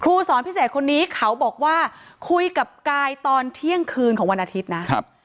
สอนพิเศษคนนี้เขาบอกว่าคุยกับกายตอนเที่ยงคืนของวันอาทิตย์นะครับ